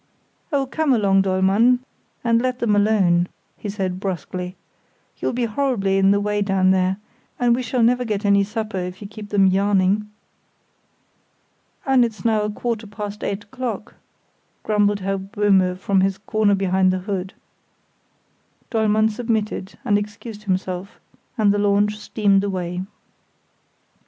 "Oh, come along, Dollmann, and let them alone," he said brusquely. "You'll be horribly in the way down there, and we shall never get any supper if you keep them yarning." "And it's now a quarter past eight o'clock," grumbled Herr Böhme from his corner behind the hood. Dollmann submitted, and excused himself, and the launch steamed away.